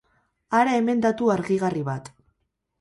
Hara hemen datu argigarri bat.